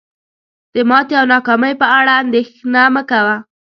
د ماتي او ناکامی په اړه اندیښنه مه کوه